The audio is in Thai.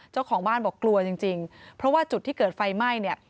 เจ้าของบ้านบอกกลัวจริงจริงเพราะว่าจุดที่เกิดไฟไหม้เนี่ย